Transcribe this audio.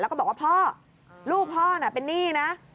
แล้วก็บอกว่าพ่อลูกพ่อน่ะเป็นหนี้นะ